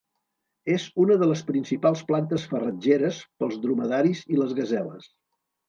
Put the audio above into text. És una de les principals plantes farratgeres pels dromedaris i les gaseles.